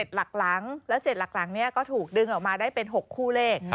หลักหลังแล้ว๗หลักหลังก็ถูกดึงออกมาได้เป็น๖คู่เลข